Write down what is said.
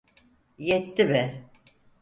Yetti be!